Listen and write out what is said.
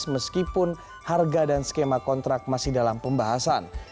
meskipun harga dan skema kontrak masih dalam pembahasan